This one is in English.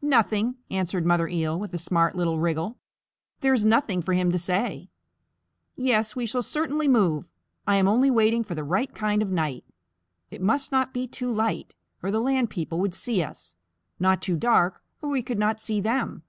"Nothing," answered Mother Eel, with a smart little wriggle. "There is nothing for him to say. Yes, we shall certainly move. I am only waiting for the right kind of night. It must not be too light, or the land people would see us; not too dark, or we could not see them.